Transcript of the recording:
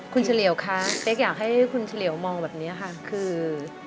คุณเฉลี่ยวคะเป๊กอยากให้คุณเฉลี่ยวมองแบบนี้ค่ะคือ